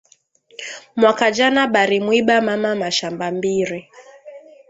Mwaka jana bari mwiba mama mashamba mbiri